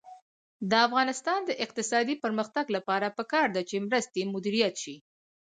د افغانستان د اقتصادي پرمختګ لپاره پکار ده چې مرستې مدیریت شي.